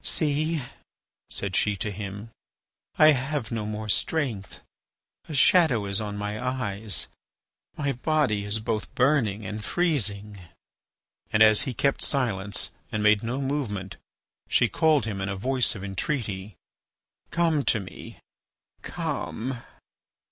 "See," said she to him, "I have no more strength, a shadow is on my eyes. My body is both burning and freezing." And as he kept silence and made no movement, she called him in a voice of entreaty: "Come to me, come!"